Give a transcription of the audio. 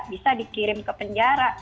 bisa dikirim ke penjara